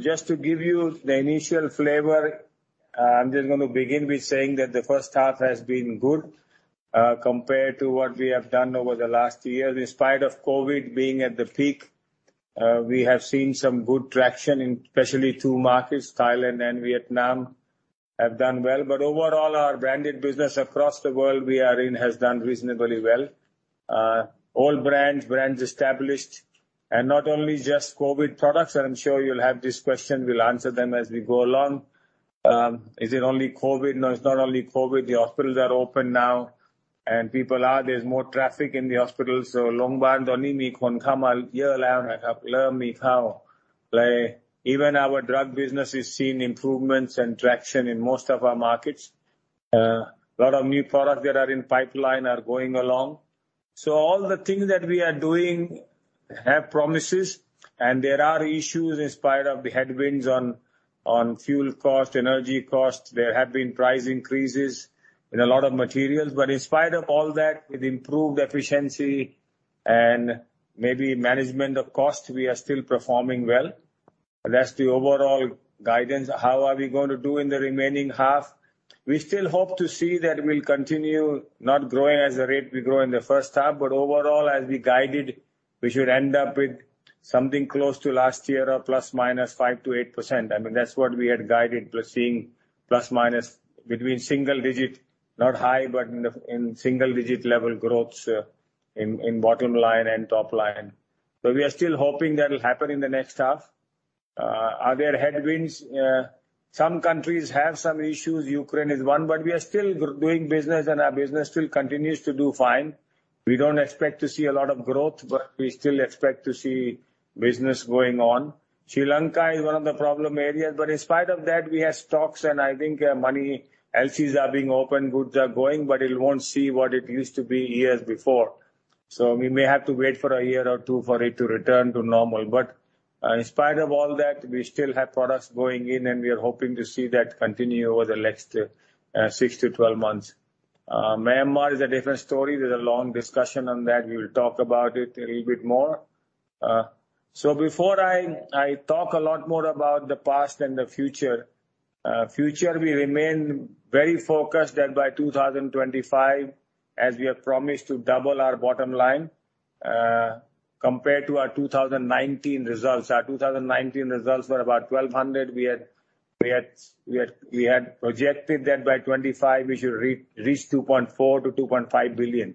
Just to give you the initial flavor, I'm just gonna begin with saying that the first half has been good, compared to what we have done over the last two years. In spite of COVID being at the peak, we have seen some good traction especially in two markets. Thailand and Vietnam have done well. Overall, our branded business across the world we are in has done reasonably well. All brands established, and not only just COVID products. I'm sure you'll have these questions, we'll answer them as we go along. Is it only COVID? No, it's not only COVID. The hospitals are open now and people are there. There's more traffic in the hospitals. Even our drug business is seeing improvements and traction in most of our markets. A lot of new products that are in the pipeline are going along. All the things that we are doing hold promise, and there are issues in spite of the headwinds on fuel cost, energy cost. There have been price increases in a lot of materials. In spite of all that, with improved efficiency and maybe management of cost, we are still performing well. That's the overall guidance. How are we going to do in the remaining half? We still hope to see that we'll continue not growing at the rate we grew in the first half, but overall, as we guided, we should end up with something close to last year or plus or minus 5%-8%. I mean, that's what we had guided to seeing plus minus between single digit, not high, but in the single digit level growths in bottom line and top line. We are still hoping that will happen in the next half. Are there headwinds? Some countries have some issues. Ukraine is one, but we are still doing business and our business still continues to do fine. We don't expect to see a lot of growth, but we still expect to see business going on. Sri Lanka is one of the problem areas, but in spite of that, we have stocks, and I think money, LCs are being opened, goods are going, but it won't see what it used to be years before. We may have to wait for a year or two for it to return to normal. In spite of all that, we still have products going in, and we are hoping to see that continue over the next 6-12 months. Myanmar is a different story. There's a long discussion on that. We will talk about it a little bit more. Before I talk a lot more about the past and the future. Future, we remain very focused that by 2025, as we have promised to double our bottom line compared to our 2019 results. Our 2019 results were about 1.2 billion. We had projected that by 2025 we should reach 2.4 billion-2.5 billion.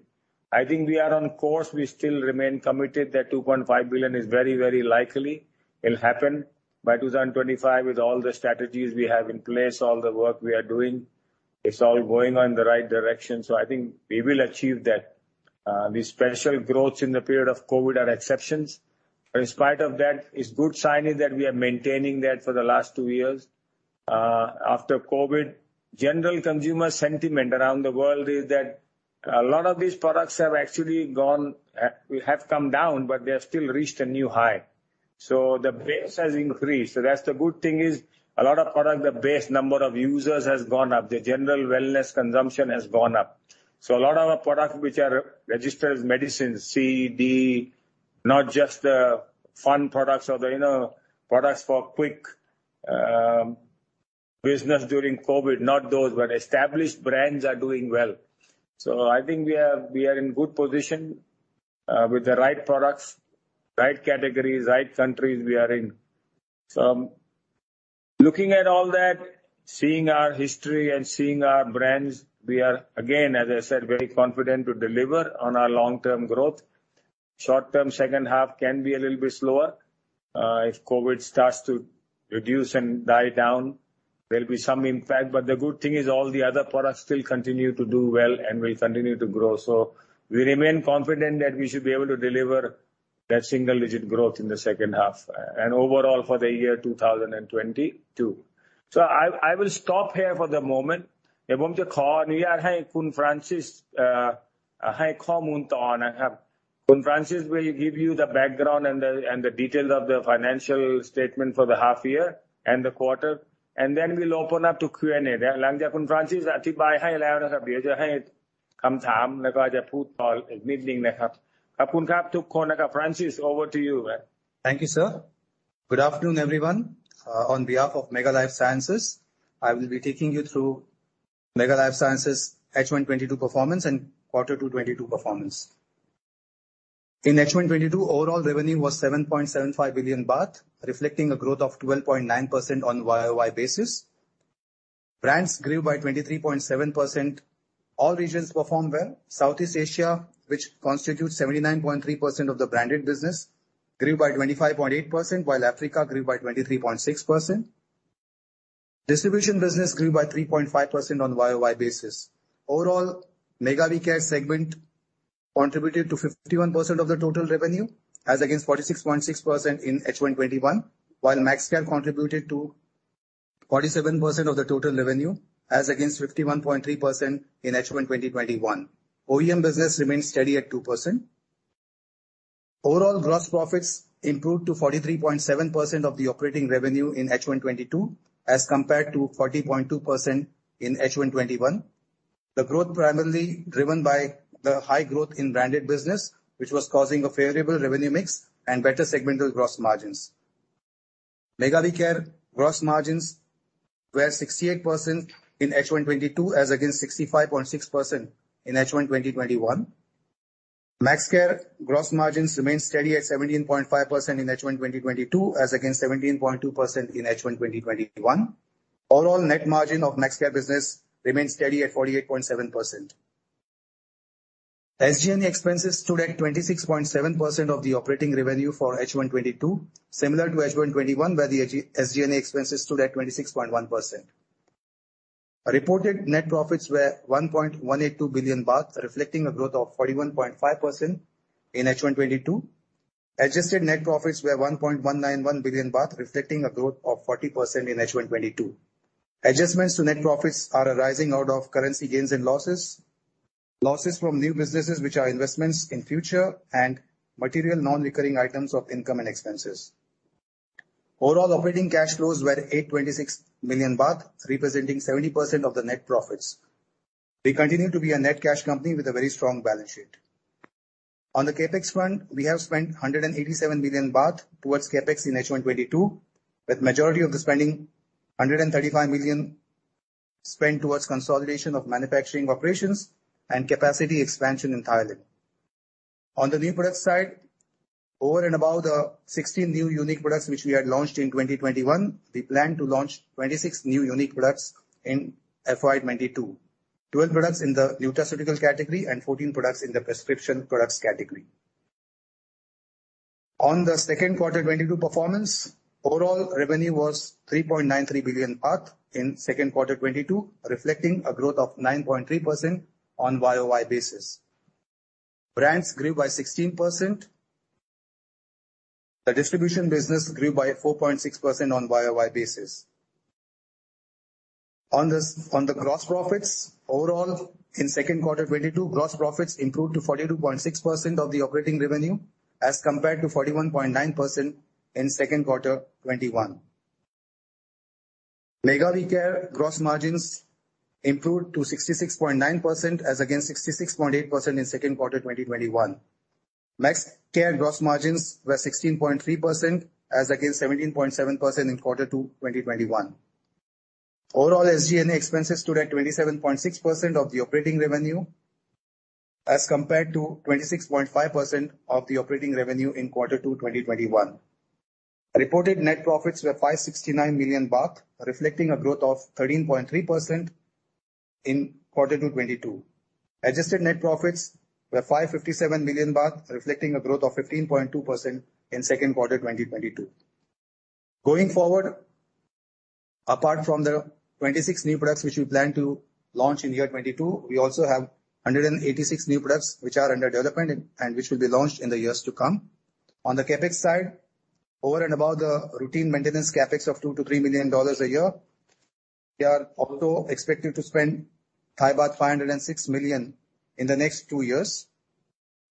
I think we are on course. We still remain committed that 2.5 billion is very, very likely it'll happen by 2025 with all the strategies we have in place, all the work we are doing. It's all going in the right direction. I think we will achieve that. The exceptional growth in the period of COVID is an exception. In spite of that, it's good sign that we are maintaining that for the last two years. After COVID, general consumer sentiment around the world is that a lot of these products have actually come down, but they have still reached a new high. The base has increased. That's the good thing is a lot of products, the base number of users has gone up. The general wellness consumption has gone up. A lot of our products which are registered as medicines, C, D, not just the fun products or the, you know, products for quick business during COVID, not those, but established brands are doing well. I think we are in good position with the right products, right categories, right countries we are in. Looking at all that, seeing our history and seeing our brands, we are, again, as I said, very confident to deliver on our long-term growth. Short-term, second half can be a little bit slower. If COVID starts to reduce and die down, there'll be some impact. The good thing is all the other products still continue to do well and will continue to grow. We remain confident that we should be able to deliver that single-digit growth in the second half and overall for the year 2022. I will stop here for the moment. Francis will give you the background and the details of the financial statement for the half year and the quarter, and then we'll open up to Q&A. Francis, over to you. Thank you, sir. Good afternoon, everyone. On behalf of Mega Lifesciences, I will be taking you through Mega Lifesciences' H1 2022 performance and quarter two 2022 performance. In H1 2022, overall revenue was 7.75 billion baht, reflecting a growth of 12.9% on YOY basis. Brands grew by 23.7%. All regions performed well. Southeast Asia, which constitutes 79.3% of the branded business, grew by 25.8%, while Africa grew by 23.6%. Distribution business grew by 3.5% on YOY basis. Overall, MEGA We care segment contributed to 51% of the total revenue, as against 46.6% in H1 2021, while Maxxcare contributed to 47% of the total revenue, as against 51.3% in H1 2021. OEM business remains steady at 2%. Overall gross profits improved to 43.7% of the operating revenue in H1 2022, as compared to 40.2% in H1 2021. The growth primarily driven by the high growth in branded business, which was causing a favorable revenue mix and better segmental gross margins. MEGA We care gross margins were 68% in H1 2022 as against 65.6% in H1 2021. Maxxcare gross margins remained steady at 17.5% in H1 2022 as against 17.2% in H1 2021. Overall net margin of Maxxcare business remained steady at 48.7%. SG&A expenses stood at 26.7% of the operating revenue for H1 2022, similar to H1 2021, where the SG&A expenses stood at 26.1%. Reported net profits were 1.182 billion baht, reflecting a growth of 41.5% in H1 2022. Adjusted net profits were 1.191 billion baht, reflecting a growth of 40% in H1 2022. Adjustments to net profits are arising out of currency gains and losses from new businesses which are investments in future, and material non-recurring items of income and expenses. Overall operating cash flows were 826 million baht, representing 70% of the net profits. We continue to be a net cash company with a very strong balance sheet. On the CapEx front, we have spent 187 billion baht towards CapEx in H1 2022, with majority of the spending, 135 million spent towards consolidation of manufacturing operations and capacity expansion in Thailand. On the new product side, over and above the 16 new unique products which we had launched in 2021, we plan to launch 26 new unique products in FY 2022. Twelve products in the nutraceutical category and 14 products in the prescription products category. On the second quarter 2022 performance, overall revenue was 3.93 billion baht in second quarter 2022, reflecting a growth of 9.3% on YoY basis. Brands grew by 16%. The distribution business grew by 4.6% on YoY basis. On the gross profits overall in second quarter 2022, gross profits improved to 42.6% of the operating revenue as compared to 41.9% in second quarter 2021. MEGA We care gross margins improved to 66.9% as against 66.8% in second quarter 2021. Maxxcare gross margins were 16.3% as against 17.7% in quarter two, 2021. Overall SG&A expenses stood at 27.6% of the operating revenue as compared to 26.5% of the operating revenue in quarter 2, 2021. Reported net profits were 569 million baht, reflecting a growth of 13.3% in quarter 2, 2022. Adjusted net profits were 557 million baht, reflecting a growth of 15.2% in second quarter 2022. Going forward, apart from the 26 new products which we plan to launch in 2022, we also have 186 new products which are under development and which will be launched in the years to come. On the CapEx side, over and above the routine maintenance CapEx of $2 million-$3 million a year, we are also expected to spend 506 million in the next two years,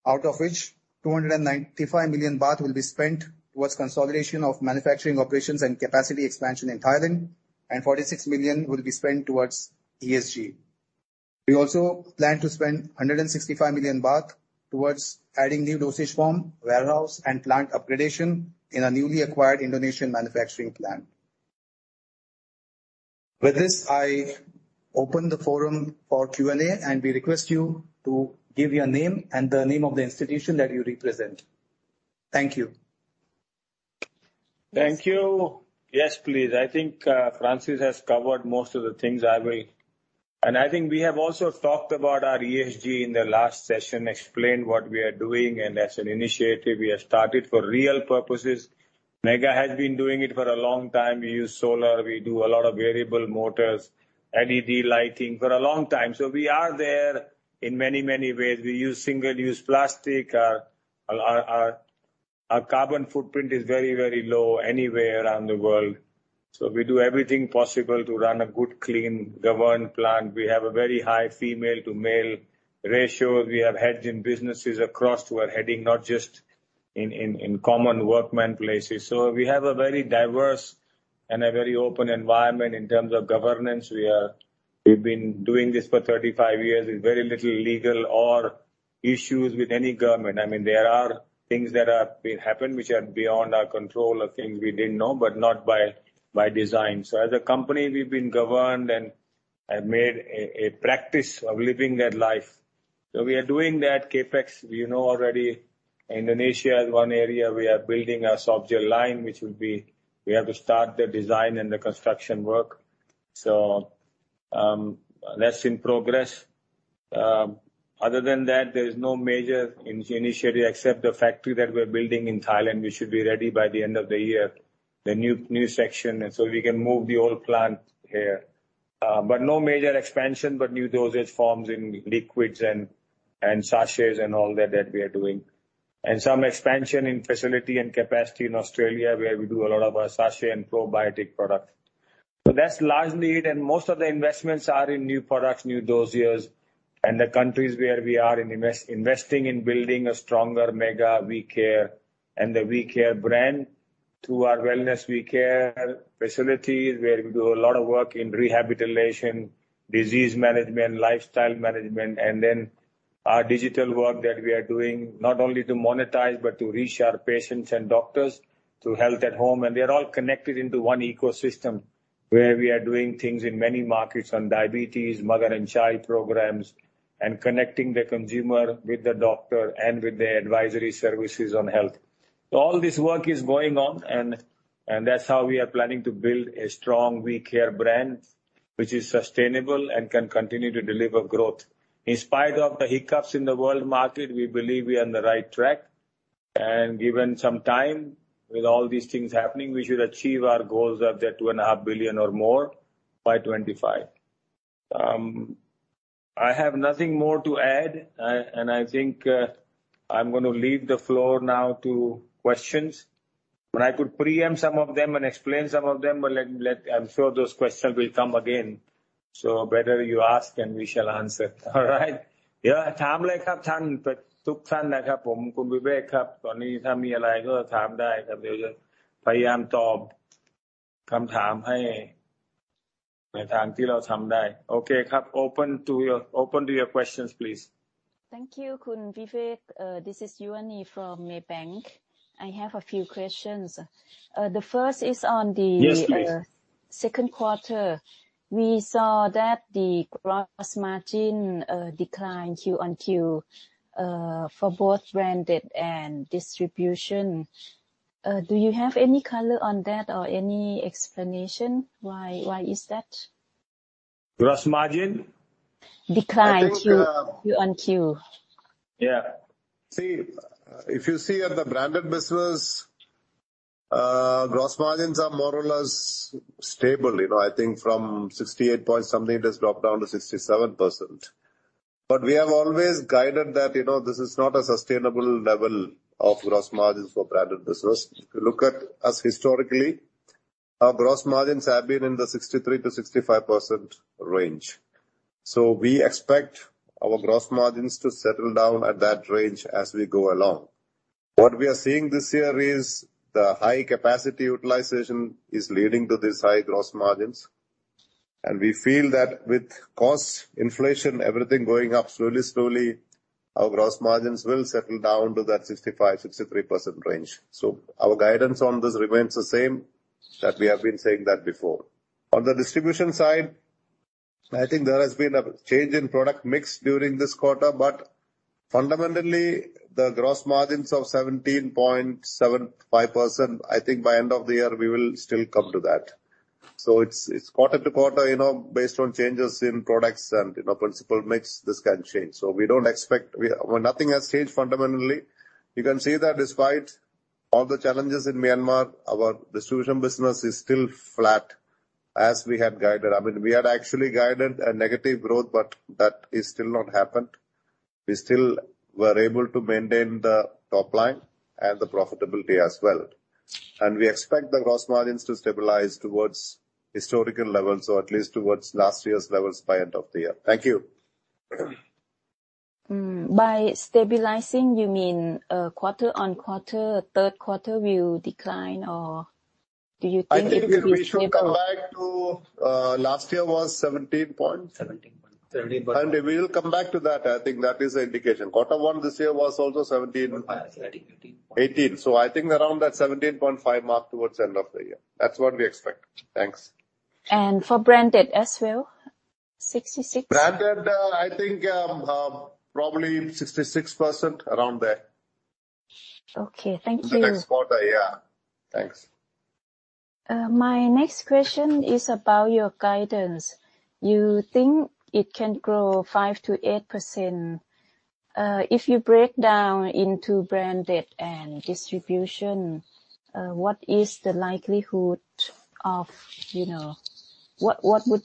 out of which 295 million baht will be spent towards consolidation of manufacturing operations and capacity expansion in Thailand, and 46 million will be spent towards ESG. We also plan to spend 165 million baht towards adding new dosage form, warehouse, and plant upgradation in our newly acquired Indonesian manufacturing plant. With this, I open the forum for Q&A, and we request you to give your name and the name of the institution that you represent. Thank you. Thank you. Yes, please. I think, Francis has covered most of the things I will. I think we have also talked about our ESG in the last session, explained what we are doing, and as an initiative we have started for real purposes. Mega has been doing it for a long time. We use solar, we do a lot of variable motors, LED lighting for a long time. We are there in many, many ways. We use single-use plastic. Our carbon footprint is very, very low anywhere around the world. We do everything possible to run a good, clean, governed plant. We have a very high female-to-male ratio. We have heads in businesses across who are heading not just in common workmen places. We have a very diverse and a very open environment in terms of governance. We've been doing this for 35 years with very little legal or issues with any government. I mean, there are things that will happen which are beyond our control or things we didn't know, but not by design. As a company we've been governed and have made a practice of living that life. We are doing that. CapEx, you know already. Indonesia is one area we are building a softgel line. We have to start the design and the construction work. That's in progress. Other than that, there is no major initiative except the factory that we're building in Thailand, which should be ready by the end of the year, the new section, and we can move the old plant there. No major expansion, but new dosage forms in liquids and sachets and all that we are doing. Some expansion in facility and capacity in Australia where we do a lot of our sachet and probiotic products. That's largely it. Most of the investments are in new products, new dosage forms, and the countries where we are investing in building a stronger MEGA We care and the We care brand. To our wellness MEGA We care facilities, where we do a lot of work in rehabilitation, disease management, lifestyle management, and then our digital work that we are doing, not only to monetize, but to reach our patients and doctors through Health@Home. They're all connected into one ecosystem where we are doing things in many markets on diabetes, mother and child programs, and connecting the consumer with the doctor and with the advisory services on health. All this work is going on and that's how we are planning to build a strong MEGA We care brand which is sustainable and can continue to deliver growth. In spite of the hiccups in the world market, we believe we are on the right track, and given some time, with all these things happening, we should achieve our goals of that 2.5 billion or more by 2025. I have nothing more to add. I think, I'm gonna leave the floor now to questions. I could preempt some of them and explain some of them. I'm sure those questions will come again. Better you ask, and we shall answer. All right. Yeah. Thank you, Khun Vivek. This is Yuani from Maybank. I have a few questions. The first is on the- Yes, please. Second quarter. We saw that the gross margin declined Q-on-Q for both branded and distribution. Do you have any color on that or any explanation why is that? Gross margin? Declined- I think. Q-on-Q. Yeah. See, if you see at the branded business, gross margins are more or less stable, you know. I think from 68-something, it has dropped down to 67%. We have always guided that, you know, this is not a sustainable level of gross margins for branded business. If you look at us historically, our gross margins have been in the 63%-65% range. We expect our gross margins to settle down at that range as we go along. What we are seeing this year is the high capacity utilization is leading to these high gross margins. We feel that with cost inflation, everything going up slowly, our gross margins will settle down to that 65%, 63% range. Our guidance on this remains the same, that we have been saying that before. On the distribution side, I think there has been a change in product mix during this quarter, but fundamentally, the gross margins of 17.75%, I think by end of the year we will still come to that. It's quarter-to-quarter, you know, based on changes in products and, you know, product mix, this can change. We don't expect nothing has changed fundamentally. You can see that despite all the challenges in Myanmar, our distribution business is still flat as we had guided. I mean, we had actually guided a negative growth, but that is still not happened. We still were able to maintain the top line and the profitability as well. We expect the gross margins to stabilize towards historical levels or at least towards last year's levels by end of the year. Thank you. By stabilizing, you mean quarter-on-quarter, third quarter will decline or do you think it will? I think we should come back to. Last year was 17 point. We'll come back to that. I think that is the indication. Quarter one this year was also 17.5. 18. I think around that 17.5 mark towards end of the year. That's what we expect. Thanks. For branded as well, 66%? branded, I think, probably 66% around there. Okay, thank you. The next quarter, yeah. Thanks. My next question is about your guidance. You think it can grow 5%-8%. If you break down into branded and distribution, what would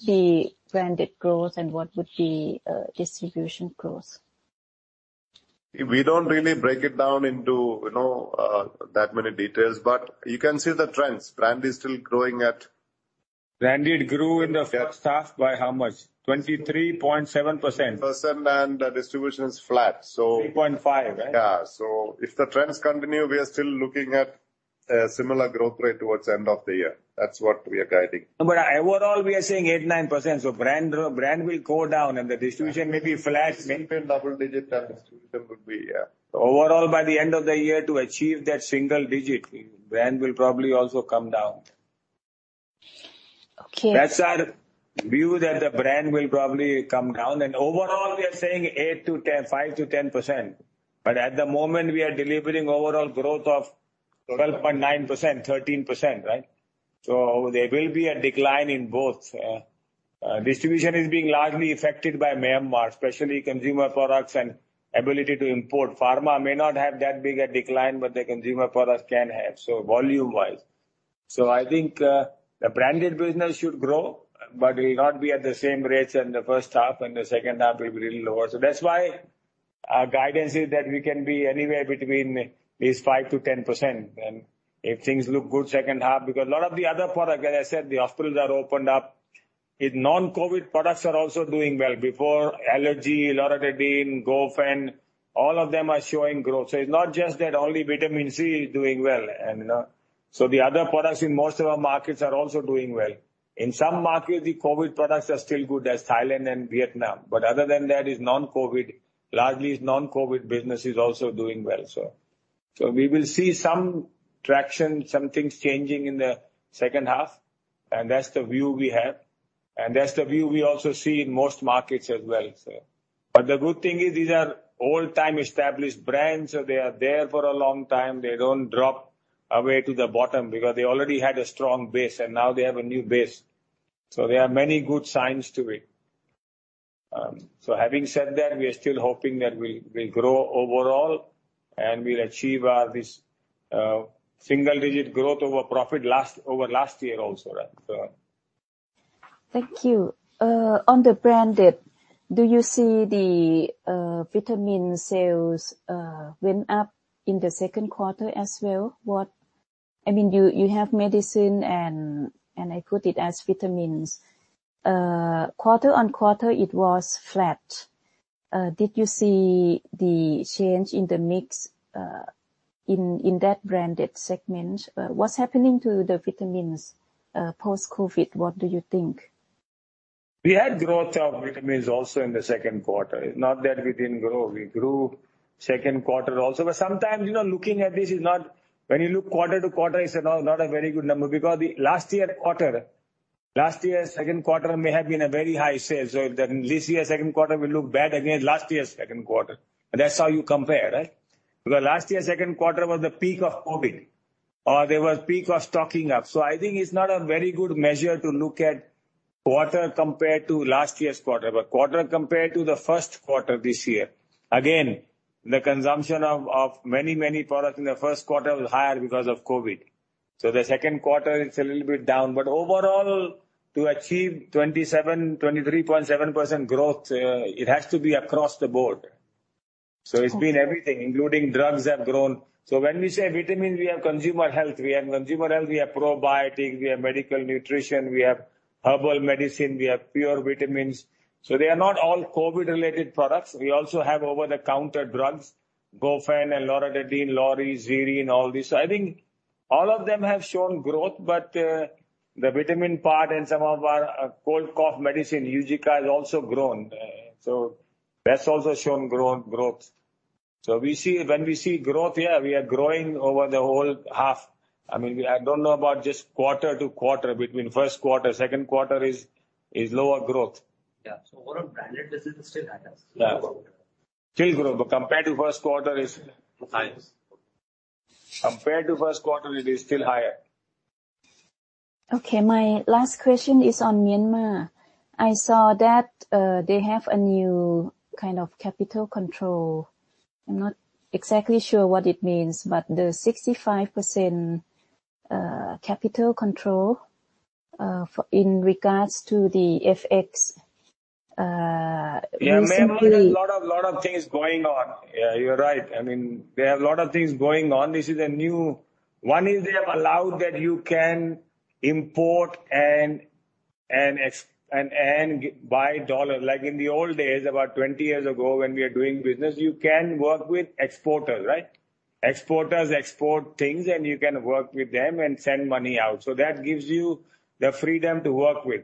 be branded growth and what would be distribution growth? We don't really break it down into, you know, that many details, but you can see the trends. Brand is still growing at. Branded grew in the first half by how much? 23.7%. Percent, and the distribution is flat. 3.5, right? Yeah. If the trends continue, we are still looking at a similar growth rate toward end of the year. That's what we are guiding. Overall, we are saying 8%-9%. Brand will go down and the distribution may be flat. Maintain double digits and distribution will be, yeah. Overall, by the end of the year to achieve that single-digit, brand will probably also come down. Okay. That's our view that the brand will probably come down. Overall, we are saying 8%-10%, 5%-10%. At the moment we are delivering overall growth of 12.9%, 13%, right? There will be a decline in both. Distribution is being largely affected by Myanmar, especially consumer products and ability to import. Pharma may not have that big a decline, but the consumer products can have, so volume-wise. I think the branded business should grow, but will not be at the same rates in the first half, and the second half will be a little lower. That's why our guidance is that we can be anywhere between 5%-10%. If things look good second half, because a lot of the other products, as I said, the hospitals are opened up. Non-COVID products are also doing well. For allergy, Loratadine, Gofen, all of them are showing growth. It's not just that only vitamin C is doing well and, the other products in most of our markets are also doing well. In some markets, the COVID products are still good, in Thailand and Vietnam. Other than that is non-COVID. Largely, it's non-COVID business is also doing well. We will see some traction, some things changing in the second half, and that's the view we have. That's the view we also see in most markets as well. The good thing is these are old-time established brands. They are there for a long time. They don't drop away to the bottom because they already had a strong base, and now they have a new base. There are many good signs to it. Having said that, we are still hoping that we'll grow overall and we'll achieve this single-digit growth over last year also, right? Thank you. On the branded, do you see the vitamin sales went up in the second quarter as well? I mean, you have medicine and I put it as vitamins. Quarter-on-quarter it was flat. Did you see the change in the mix in that branded segment? What's happening to the vitamins post-COVID? What do you think? We had growth of vitamins also in the second quarter. It's not that we didn't grow. We grew second quarter also. Sometimes, you know, when you look quarter to quarter, it's not a very good number because the last year quarter, last year second quarter may have been a very high sales. This year second quarter will look bad against last year's second quarter. That's how you compare, right? Last year second quarter was the peak of COVID, or there was peak of stocking up. I think it's not a very good measure to look at quarter compared to last year's quarter. Quarter compared to the first quarter this year. Again, the consumption of many products in the first quarter was higher because of COVID. The second quarter it's a little bit down. Overall, to achieve 27%, 23.7% growth, it has to be across the board. Okay. It's been everything, including drugs have grown. When we say vitamins, we have consumer health. We have consumer health, we have probiotics, we have medical nutrition, we have herbal medicine, we have pure vitamins. They are not all COVID-related products. We also have over-the-counter drugs, Gofen and Loratadine, Loreze, ZIRIN, all this. I think all of them have shown growth, but the vitamin part and some of our cold cough medicine, Eugica, has also grown. That's also shown growth. When we see growth, yeah, we are growing over the whole half. I mean, I don't know about just quarter to quarter. Between first quarter, second quarter is lower growth. Yeah. Overall branded business is still higher. Yeah. Still grow, but compared to first quarter. Compared to first quarter, it is still higher. Okay. My last question is on Myanmar. I saw that they have a new kind of capital control. I'm not exactly sure what it means, but the 65% capital control in regards to the FX recently. Yeah. Myanmar has a lot of things going on. Yeah, you're right. I mean, they have a lot of things going on. This is a new one. They have allowed that you can import and export and buy dollar. Like in the old days, about 20 years ago when we are doing business, you can work with exporters, right? Exporters export things, and you can work with them and send money out. That gives you the freedom to work with.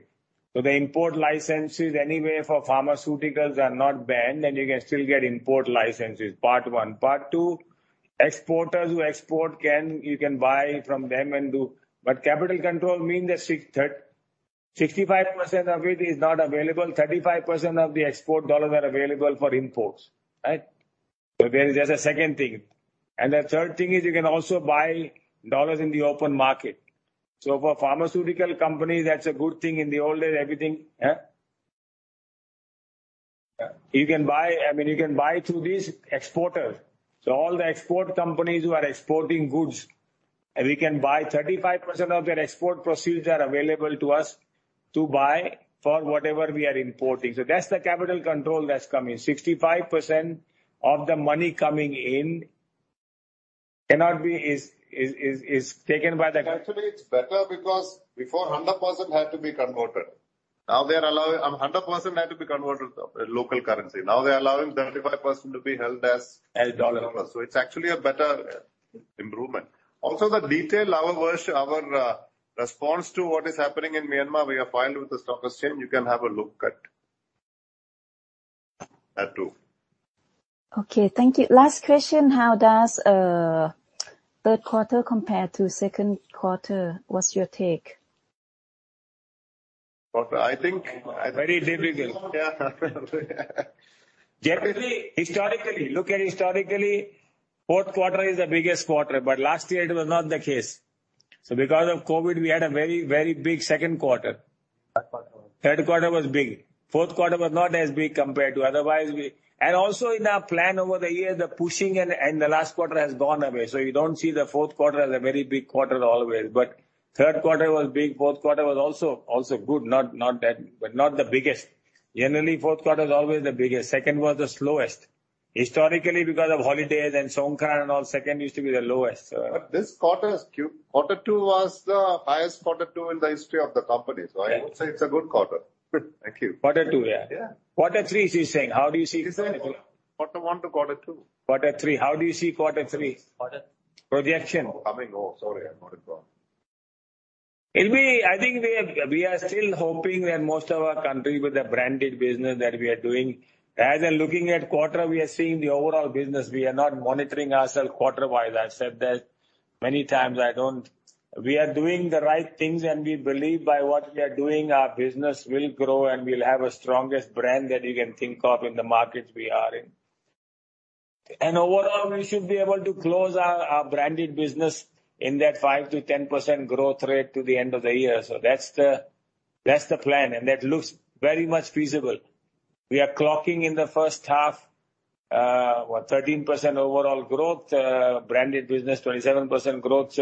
The import licenses anyway for pharmaceuticals are not banned, and you can still get import licenses, part one. Part two, exporters who export. You can buy from them and do. But capital control mean that 65% of it is not available. 35% of the export dollars are available for imports, right? There is just a second thing. The third thing is you can also buy dollars in the open market. For pharmaceutical companies, that's a good thing. In the old days, I mean, you can buy through these exporters. All the export companies who are exporting goods, we can buy 35% of their export proceeds are available to us to buy for whatever we are importing. That's the capital control that's coming. 65% of the money coming in cannot be taken by the. Actually, it's better because before, 100% had to be converted to local currency. Now they're allowing 35% to be held as U.S. dollar. It's actually a better improvement. Also, the detail, our response to what is happening in Myanmar, we have filed with the stock exchange. You can have a look at that too. Okay, thank you. Last question. How does third quarter compare to second quarter? What's your take? Quarter, I think. Very difficult. Generally, historically, fourth quarter is the biggest quarter, but last year it was not the case. Because of COVID, we had a very, very big second quarter. Third quarter was big. Fourth quarter was not as big compared to. Also in our plan over the years, the pushing and the last quarter has gone away. You don't see the fourth quarter as a very big quarter always. Third quarter was big. Fourth quarter was also good, not that. Not the biggest. Generally, fourth quarter is always the biggest. Second was the slowest. Historically, because of holidays and Songkran and all, second used to be the lowest. Quarter two was the highest quarter two in the history of the company. I would say it's a good quarter. Good. Thank you. Quarter two, yeah. Quarter three, she's saying. How do you see quarter three? She said quarter one to quarter two. Quarter three. How do you see quarter three? Projections. Coming up. Sorry, I'm not involved. I think we are still hoping that most of our countries with the branded business that we are doing. As we're looking at quarter, we are seeing the overall business. We are not monitoring ourselves quarter-wise. I've said that many times. We are doing the right things, and we believe by what we are doing, our business will grow, and we'll have the strongest brand that you can think of in the markets we are in. Overall, we should be able to close our branded business in that 5%-10% growth rate to the end of the year. That's the plan, and that looks very much feasible. We are clocking in the first half 13% overall growth, branded business, 27% growth.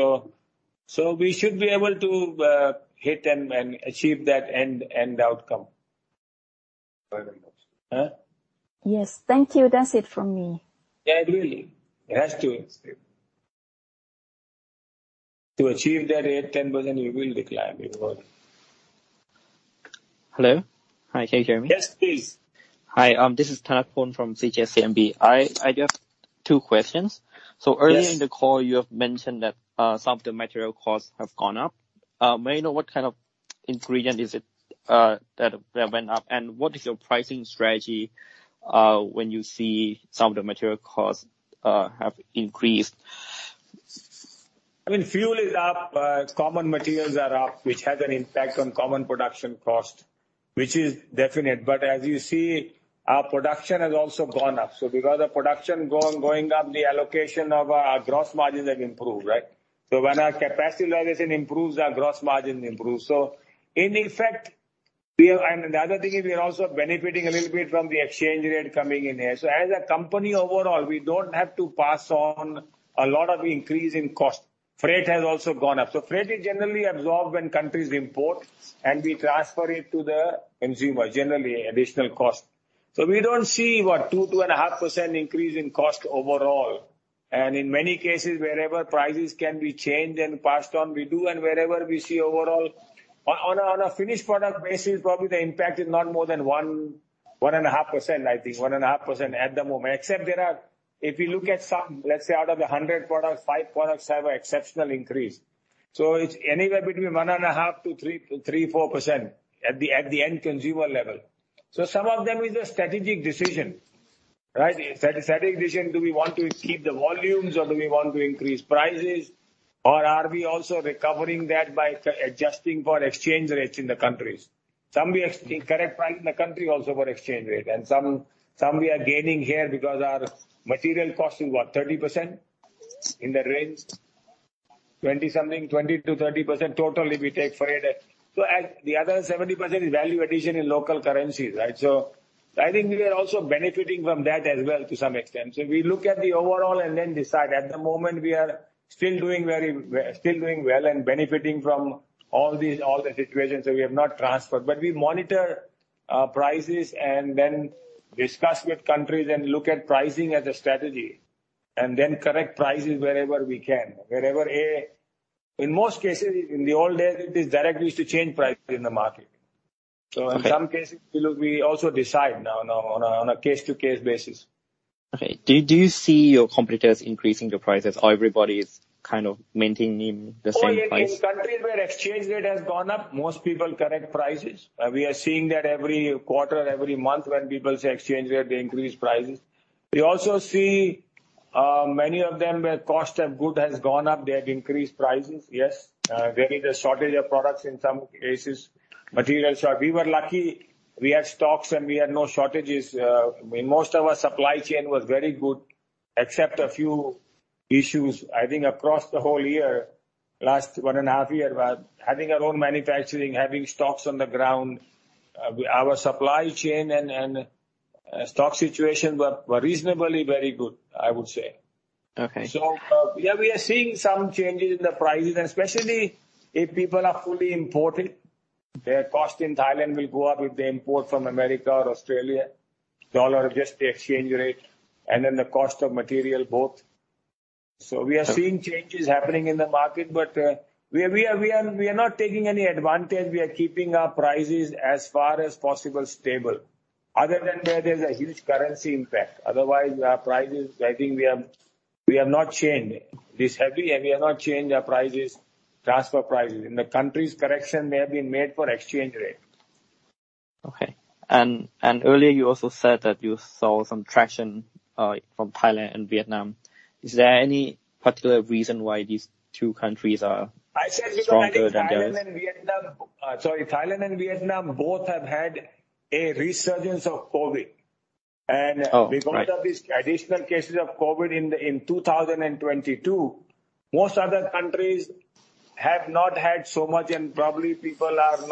We should be able to hit and achieve that end outcome. Yes. Thank you. That's it from me. Yeah, really. It has to. To achieve that 8%-10%, we will decline overall. Hello. Hi, can you hear me? Yes, please. Hi, this is Thanaporn from CGS-CIMB. I just 2 questions. Yes. Earlier in the call, you have mentioned that some of the material costs have gone up. May I know what kind of ingredient is it that went up? What is your pricing strategy when you see some of the material costs have increased? I mean, fuel is up, common materials are up, which has an impact on common production cost, which is definite. As you see, our production has also gone up. Because of production going up, the allocation of our gross margins have improved, right? When our capacity utilization improves, our gross margins improve. In effect, we are. The other thing is we are also benefiting a little bit from the exchange rate coming in here. As a company overall, we don't have to pass on a lot of increase in cost. Freight has also gone up. Freight is generally absorbed when countries import, and we transfer it to the consumer, generally additional cost. We don't see a 2%-2.5% increase in cost overall. In many cases, wherever prices can be changed and passed on, we do. Wherever we see overall on a finished product basis, probably the impact is not more than 1.5%, I think. 1.5% at the moment. Except there are if you look at some, let's say out of 100 products, 5 products have an exceptional increase. It's anywhere between 1.5%-3%, 4% at the end consumer level. Some of them is a strategic decision, right? A strategic decision, do we want to keep the volumes or do we want to increase prices or are we also recovering that by adjusting for exchange rates in the countries? Some we are seeing correct price in the country also for exchange rate and some we are gaining here because our material cost is what, 30% in the range. 20%-something, 20%-30% total if we take freight. At the other 70% is value addition in local currencies, right? I think we are also benefiting from that as well to some extent. We look at the overall and then decide. At the moment, we're still doing well and benefiting from all these, all the situations that we have not transferred. We monitor prices and then discuss with countries and look at pricing as a strategy, and then correct prices wherever we can. In most cases, in the old days, it is direct, we used to change prices in the market. Okay. In some cases, we look, we also decide now on a case-by-case basis. Okay. Do you see your competitors increasing the prices or everybody is kind of maintaining the same price? In countries where exchange rate has gone up, most people correct prices. We are seeing that every quarter, every month when people say exchange rate, they increase prices. We also see many of them where cost of good has gone up, they have increased prices. Yes. There is a shortage of products in some cases, material short. We were lucky we had stocks, and we had no shortages. I mean, most of our supply chain was very good except a few issues, I think across the whole year, last one and a half year. Having our own manufacturing, having stocks on the ground, our supply chain and stock situation were reasonably very good, I would say. Okay. We are seeing some changes in the prices, especially if people are fully imported. Their cost in Thailand will go up if they import from America or Australia. Dollar, just the exchange rate and then the cost of material both. We are seeing changes happening in the market, but we are not taking any advantage. We are keeping our prices as far as possible stable. Other than where there's a huge currency impact. Otherwise, our prices, I think we have not changed this heavily, and we have not changed our prices, transfer prices. In the countries, correction may have been made for exchange rate. Okay. Earlier you also said that you saw some traction from Thailand and Vietnam. Is there any particular reason why these two countries are stronger than the others? I said because Thailand and Vietnam both have had a resurgence of COVID. Oh, right. Because of these additional cases of COVID in 2022, most other countries have not had so much, and probably people have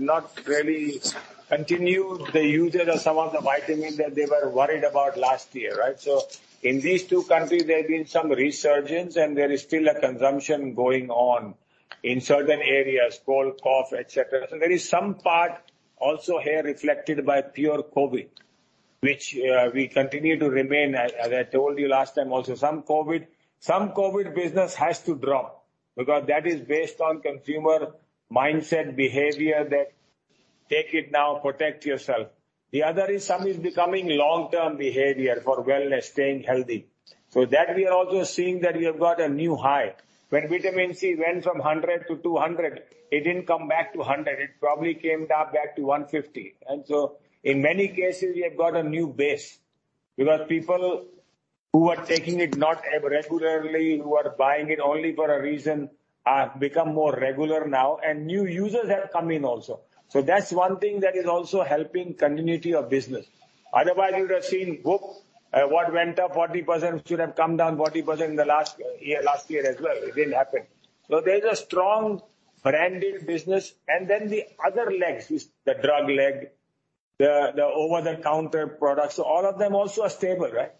not really continued the usage of some of the vitamins that they were worried about last year, right? In these two countries, there have been some resurgence, and there is still a consumption going on in certain areas, cold, cough, etc. There is some part also here reflected by pure COVID, which we continue to remain. As I told you last time also, some COVID business has to drop because that is based on consumer mindset behavior that take it now, protect yourself. The other is some becoming long-term behavior for wellness, staying healthy. That we are also seeing that we have got a new high. When vitamin C went from 100 to 200, it didn't come back to 100. It probably came down back to 150. In many cases, we have got a new base because people who are taking it not regularly, who are buying it only for a reason, have become more regular now, and new users have come in also. That's one thing that is also helping continuity of business. Otherwise, you would have seen what went up 40% should have come down 40% in the last year as well. It didn't happen. There's a strong branded business. Then the other legs, the drug leg, the over-the-counter products, so all of them also are stable, right?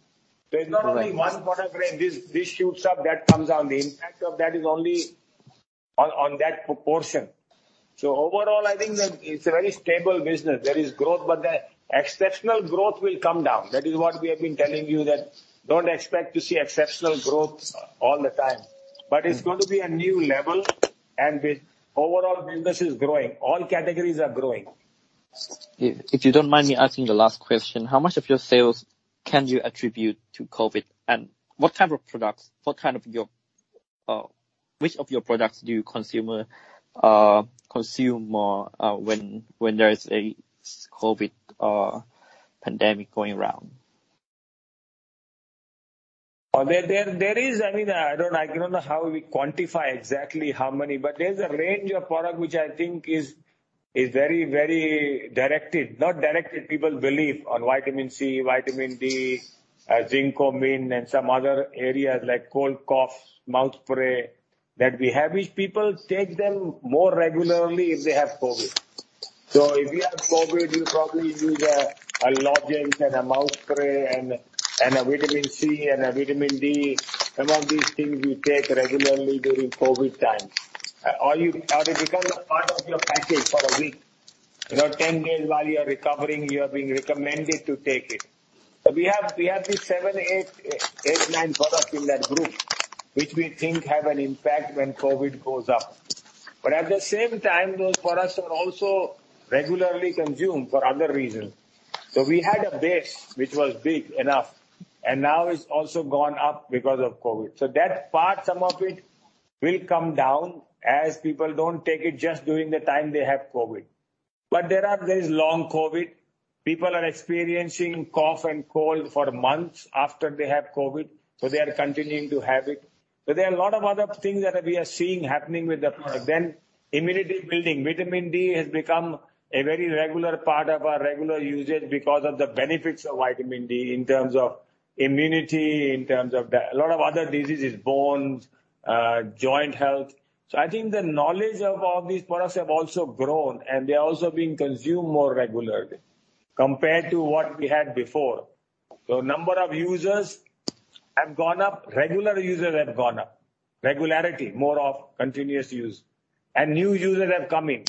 Correct. There's not only one product where this shoots up, that comes down. The impact of that is only on that proportion. Overall, I think that it's a very stable business. There is growth, but the exceptional growth will come down. That is what we have been telling you, that don't expect to see exceptional growth all the time. It's going to be a new level, and the overall business is growing. All categories are growing. If you don't mind me asking the last question, how much of your sales can you attribute to COVID? What type of products? Which of your products do consumers consume more when there is a COVID pandemic going around? There is. I mean, I don't know how we quantify exactly how many, but there's a range of product which I think is very directed. People believe in vitamin C, vitamin D, Zinc, curcumin, and some other areas like cold, cough, mouth spray that we have, which people take them more regularly if they have COVID. If you have COVID, you'll probably use a lozenge and a mouth spray and a vitamin C and a vitamin D. Some of these things you take regularly during COVID times. It becomes a part of your package for a week. You know, 10 days while you're recovering, you're being recommended to take it. We have these 7, 8, 9 products in that group which we think have an impact when COVID goes up. At the same time, those products are also regularly consumed for other reasons. We had a base which was big enough, and now it's also gone up because of COVID. That part, some of it will come down as people don't take it just during the time they have COVID. There is long COVID. People are experiencing cough and cold for months after they have COVID, so they are continuing to have it. There are a lot of other things that we are seeing happening with the product. Immunity building. Vitamin D has become a very regular part of our regular usage because of the benefits of vitamin D in terms of immunity, in terms of di. A lot of other diseases, bones, joint health. I think the knowledge of all these products have also grown, and they're also being consumed more regularly compared to what we had before. Number of users have gone up. Regular users have gone up. Regularity, more of continuous use. New users have come in.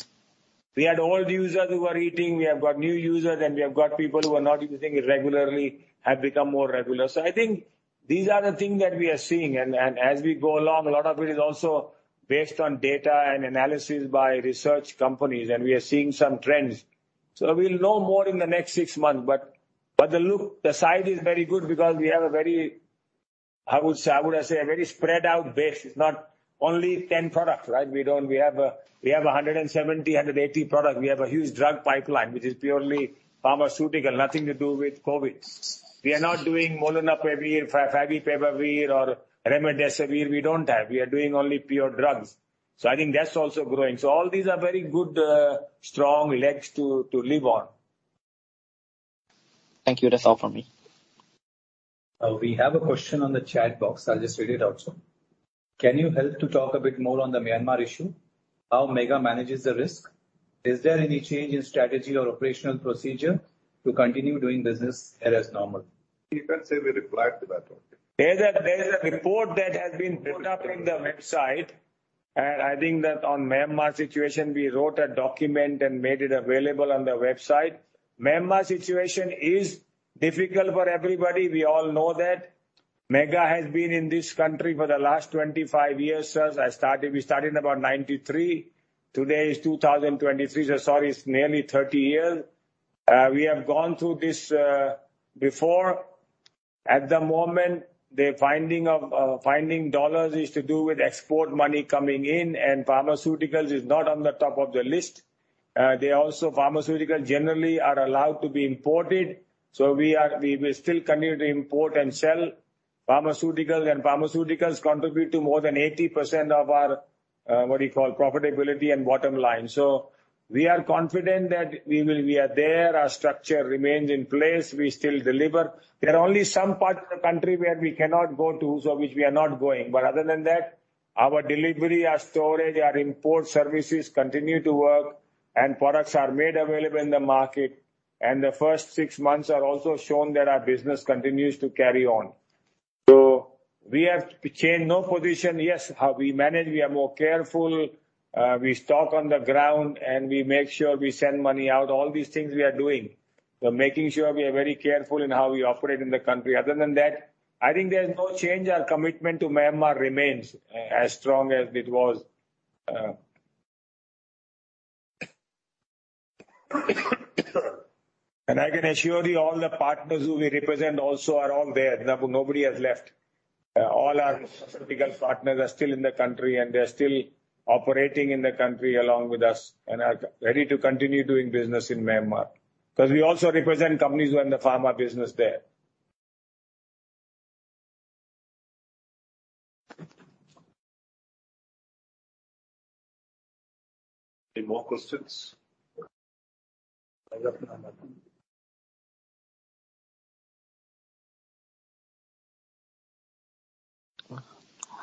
We had old users who were eating. We have got new users, and we have got people who were not using it regularly, have become more regular. I think these are the things that we are seeing. As we go along, a lot of it is also based on data and analysis by research companies, and we are seeing some trends. We'll know more in the next six months. The outlook, the size is very good because we have a very spread-out base. It's not only 10 products, right? We have 170-180 products. We have a huge drug pipeline, which is purely pharmaceutical, nothing to do with COVID. We are not doing molnupiravir, favipiravir or remdesivir. We don't have. We are doing only pure drugs. I think that's also growing. All these are very good strong legs to live on. Thank you. That's all from me. We have a question on the chat box. I'll just read it out, sir. Can you help to talk a bit more on the Myanmar issue? How Mega manages the risk. Is there any change in strategy or operational procedure to continue doing business there as normal? There's a report that has been put up in the website. I think that on Myanmar situation, we wrote a document and made it available on the website. Myanmar situation is difficult for everybody. We all know that. Mega has been in this country for the last 25 years, sir, as I started. We started in about 1993. Today is 2023, so, sir, it's nearly 30 years. We have gone through this before. At the moment, the finding of dollars is to do with export money coming in, and pharmaceuticals is not on the top of the list. They also. Pharmaceuticals generally are allowed to be imported, so we will still continue to import and sell pharmaceuticals. Pharmaceuticals contribute to more than 80% of our, what do you call? Profitability and bottom line. We are confident that we will. We are there. Our structure remains in place. We still deliver. There are only some parts of the country where we cannot go to, so which we are not going. Other than that, our delivery, our storage, our import services continue to work, and products are made available in the market. The first six months are also shown that our business continues to carry on. We have changed no position. Yes, how we manage, we are more careful, we stock on the ground, and we make sure we send money out. All these things we are doing. We're making sure we are very careful in how we operate in the country. Other than that, I think there's no change. Our commitment to Myanmar remains as strong as it was. I can assure you all the partners who we represent also are all there. No, nobody has left. All our pharmaceutical partners are still in the country, and they're still operating in the country along with us and are ready to continue doing business in Myanmar. Because we also represent companies who are in the pharma business there. Any more questions?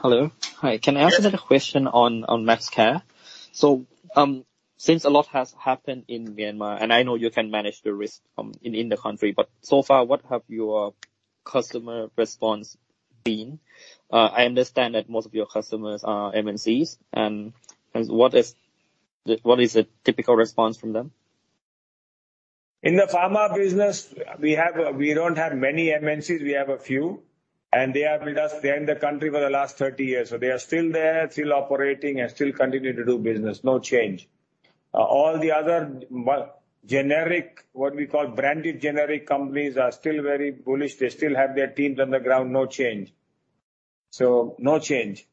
Hello. Hello. Hi. Can I ask another question on Maxxcare? Since a lot has happened in Myanmar, and I know you can manage the risk in the country, but so far, what have your customer response been? I understand that most of your customers are MNCs, and what is the typical response from them? In the pharma business we don't have many MNCs, we have a few, and they are with us. They're in the country for the last 30 years. They are still there, still operating and still continuing to do business. No change. All the other branded generic, what we call branded generic companies are still very bullish. They still have their teams on the ground. No change. The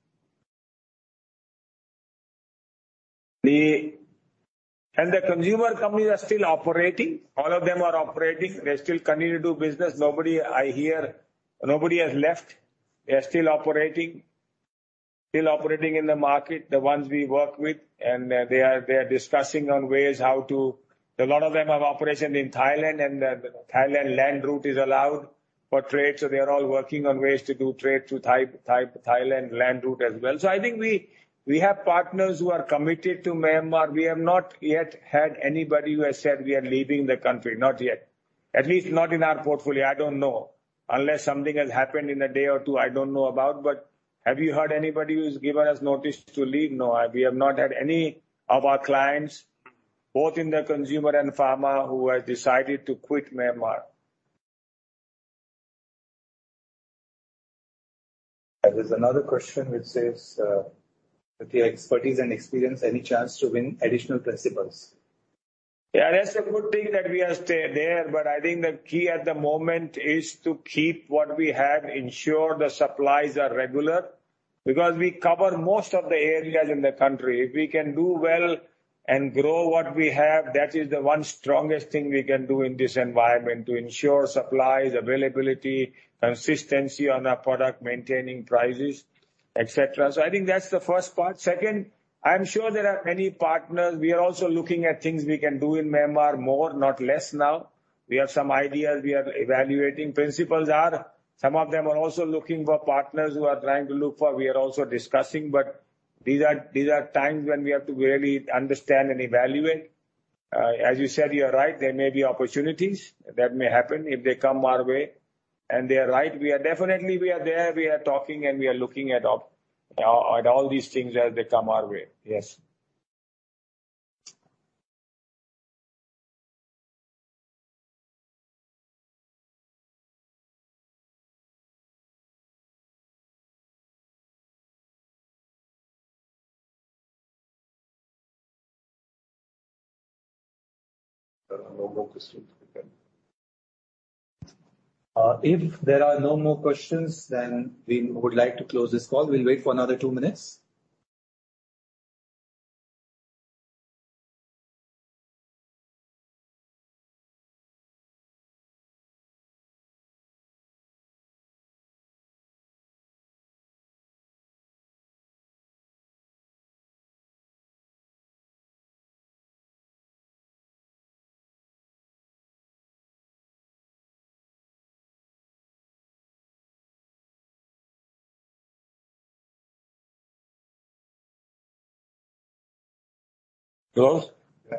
consumer companies are still operating. All of them are operating. They still continue to do business. Nobody, I hear, has left. They are still operating in the market, the ones we work with. They are discussing on ways how to. A lot of them have operation in Thailand and the Thailand land route is allowed for trade, so they're all working on ways to do trade through Thailand land route as well. I think we have partners who are committed to Myanmar. We have not yet had anybody who has said we are leaving the country. Not yet. At least not in our portfolio. I don't know. Unless something has happened in a day or two I don't know about. Have you heard anybody who's given us notice to leave? No. We have not had any of our clients, both in the consumer and pharma, who have decided to quit Myanmar. There's another question which says, with your expertise and experience, any chance to win additional principals? Yeah, that's a good thing that we are staying there, but I think the key at the moment is to keep what we have, ensure the supplies are regular. We cover most of the areas in the country. If we can do well and grow what we have, that is the one strongest thing we can do in this environment to ensure supplies, availability, consistency on our product, maintaining prices, etc. I think that's the first part. Second, I'm sure there are many partners. We are also looking at things we can do in Myanmar more, not less now. We have some ideas we are evaluating. Principals are. Some of them are also looking for partners who are trying to look for. We are also discussing, but these are times when we have to really understand and evaluate. As you said, you're right, there may be opportunities that may happen if they come our way. They are right. We are definitely there, we are talking, and we are looking at all these things as they come our way. Yes. There are no more questions. If there are no more questions, then we would like to close this call. We'll wait for another two minutes. Close? Yeah.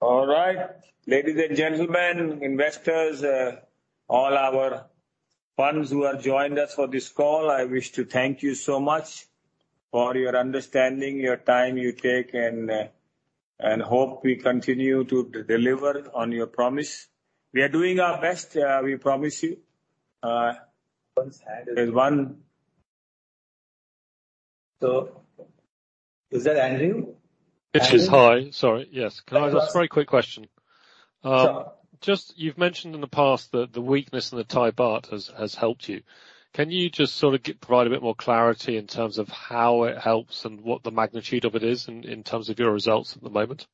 All right. Ladies and gentlemen, investors, all our partners who have joined us for this call, I wish to thank you so much for your understanding, your time you take, and hope we continue to deliver on your promise. We are doing our best, we promise you. One's hand is- There's one. Is that Andrew? It is. Hi. Sorry. Yes. Can I ask a very quick question? Sure. You've just mentioned in the past that the weakness in the Thai baht has helped you. Can you just sort of provide a bit more clarity in terms of how it helps and what the magnitude of it is in terms of your results at the moment?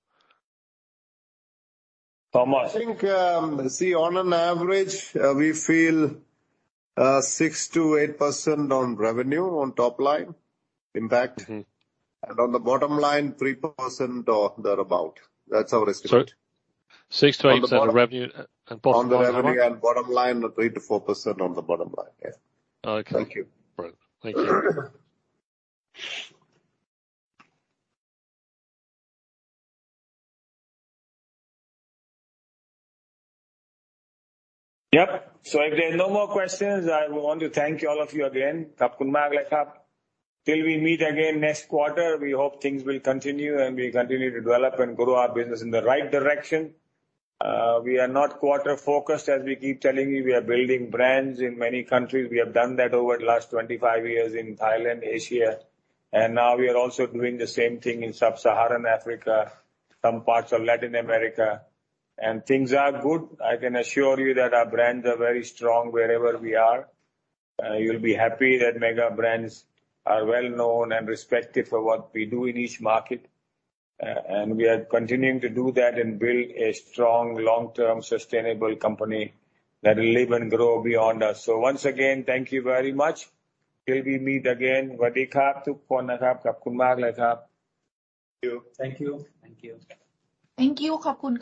Thomas. I think, see, on average, we feel 6%-8% on revenue on top-line impact. On the bottom line, 3% or thereabout. That's our estimate. Sorry. 6%-8% on revenue and bottom line. On the revenue and bottom line, 3%-4% on the bottom line. Yeah. Okay. Thank you. Great. Thank you. Yep. If there are no more questions, I want to thank you all of you again. Till we meet again next quarter, we hope things will continue, and we continue to develop and grow our business in the right direction. We are not quarter-focused, as we keep telling you. We are building brands in many countries. We have done that over the last 25 years in Thailand, Asia, and now we are also doing the same thing in Sub-Saharan Africa, some parts of Latin America. Things are good. I can assure you that our brands are very strong wherever we are. You'll be happy that Mega Brands are well-known and respected for what we do in each market. And we are continuing to do that and build a strong long-term sustainable company that will live and grow beyond us. Once again, thank you very much. Till we meet again. Thank you. Thank you.